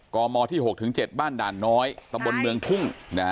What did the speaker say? กมที่๖๗บ้านด่านน้อยตำบลเมืองทุ่ง